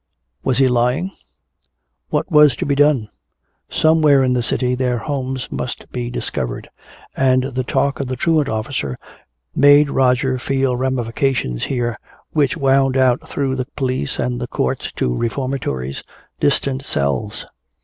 Was he lying? What was to be done? Somewhere in the city their homes must be discovered. And the talk of the truant officer made Roger feel ramifications here which wound out through the police and the courts to reformatories, distant cells.